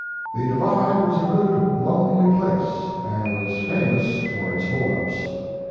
The Divide was a good lonely place, and was famous for its hold ups.